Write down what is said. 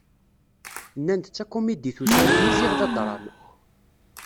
Nnan-d d takumidit usaru-nni ziɣ d adṛam.